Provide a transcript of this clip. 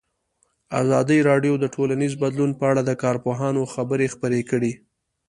ازادي راډیو د ټولنیز بدلون په اړه د کارپوهانو خبرې خپرې کړي.